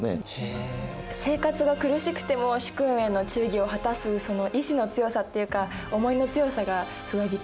生活が苦しくても主君への忠義を果たすその意志の強さっていうか思いの強さがすごいびっくりだよね。